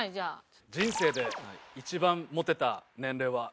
人生で一番モテた年齢は？